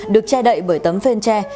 được che đậy bởi tấm phên che